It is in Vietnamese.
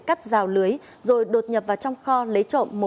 cắt rào lưới rồi đột nhập vào trong kho lấy trộm một ma túy